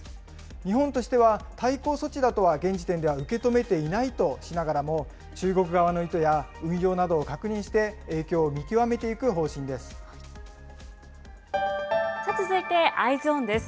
日本としては対抗措置だとは現時点では受け止めていないとしながらも中国側の意図や運用などを確認して、影響を見極めていく方針続いてＥｙｅｓｏｎです。